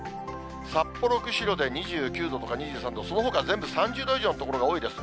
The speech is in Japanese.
札幌、釧路で２９度とか、２３度、そのほか全部３０度以上の所が多いです。